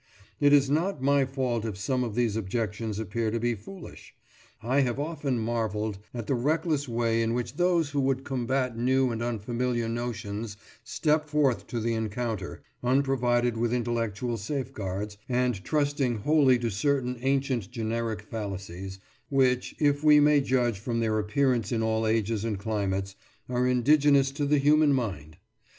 It is not my fault if some of these objections appear to be foolish. I have often marvelled at the reckless way in which those who would combat new and unfamiliar notions step forth to the encounter, unprovided with intellectual safeguards, and trusting wholly to certain ancient generic fallacies, which, if we may judge from their appearance in all ages and climates, are indigenous in the human mind.